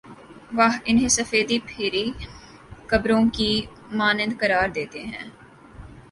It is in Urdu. وہ انہیں سفیدی پھری قبروں کی مانند قرار دیتے ہیں۔